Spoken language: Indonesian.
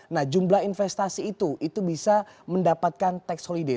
nah jumlah investasi itu itu bisa mendapatkan tax holiday